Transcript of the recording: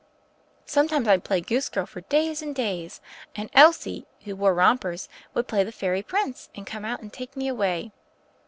Sometimes I'd play goose girl for days and days. And Elsie, who wore rompers, would play the fairy prince, and come out and take me away."